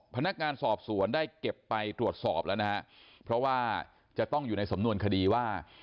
พนักงานสอบสวนได้เก็บไปตรวจสอบแล้วนะฮะเพราะว่าจะต้องอยู่ในสำนวนคดีว่า